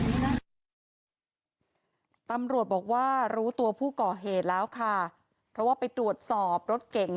ตำรวจบอกว่ารู้ตัวผู้ก่อเหตุแล้วค่ะเพราะว่าไปตรวจสอบรถเก๋ง